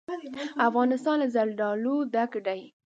افغانستان له زردالو ډک دی.